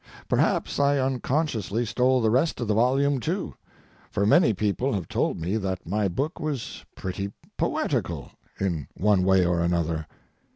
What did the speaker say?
Perhaps I unconsciously stole the rest of the volume, too, for many people have told me that my book was pretty poetical, in one way or another.